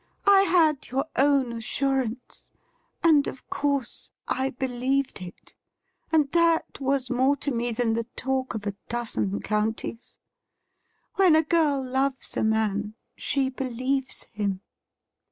I had yotu own assurance, and, of course, I believed it — and that was more to me than the talk of a dozen counties. When a girl loves a man she believes him.'